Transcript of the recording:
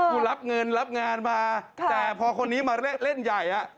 รับเงินรับงานมาแต่พอคนนี้มาเล่นใหญ่อ่ะ